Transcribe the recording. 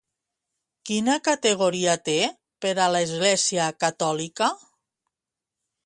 Quina categoria té per a l'Església catòlica?